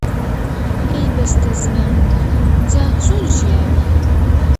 ئەی بەستەزمان، جا چۆن ژیاوی؟